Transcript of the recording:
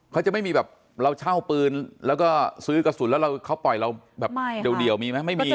เขาจะไม่มีแบบเราเช่าปืนแล้วก็ซื้อกระสุนแล้วเขาปล่อยเราแบบเดี่ยวมีไหมไม่มี